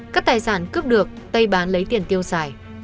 các tài sản cướp được tây bán lấy tiền tiêu xài